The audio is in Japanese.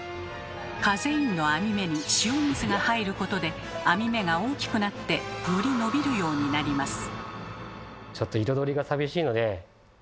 カゼインの網目に塩水が入ることで網目が大きくなってより伸びるようになります。